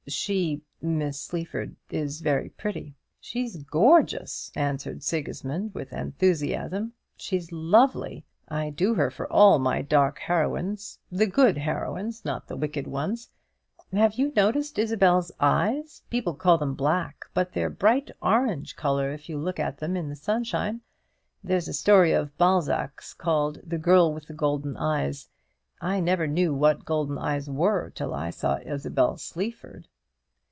She Miss Sleaford is very pretty." "She's gorgeous," answered Sigismund, with enthusiasm; "she's lovely. I do her for all my dark heroines, the good heroines, not the wicked ones. Have you noticed Isabel's eyes? People call them black; but they're bright orange colour, if you look at them in the sunshine. There's a story of Balzac's called 'The Girl with the Golden Eyes.' I never knew what golden eyes were till I saw Isabel Sleaford."